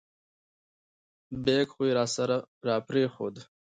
بیک خو یې راسره را پرېښود.